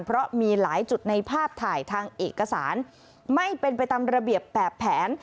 เพราะมีหลายจุดในภาพถ่ายทางเอกสารไม่เป็นไปตามระเบียบแบบแผน